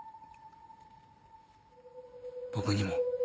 僕にも？